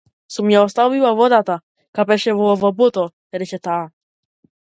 Сум ја оставила водата, капеше во лавабото, рече таа.